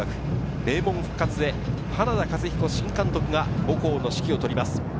名門復活へ、花田勝彦新監督が母校の指揮をとります。